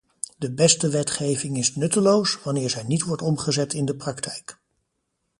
De beste wetgeving is nutteloos, wanneer zij niet wordt omgezet in de praktijk.